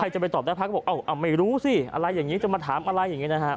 จะไปตอบได้พักก็บอกไม่รู้สิอะไรอย่างนี้จะมาถามอะไรอย่างนี้นะฮะ